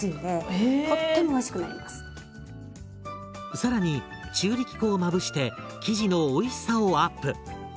更に中力粉をまぶして生地のおいしさをアップ。